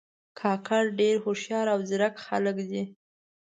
کاکړي ډېر هوښیار او زیرک خلک دي.